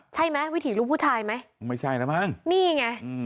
ใช่ไหมวิถีลูกผู้ชายไหมไม่ใช่นะมั้งนี่ไงอืม